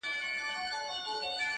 نه خبره نه کیسه ترې هېرېدله!